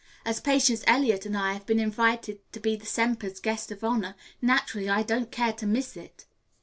"As Patience Eliot and I have been invited to be the Sempers' guests of honor, naturally I don't care to miss it."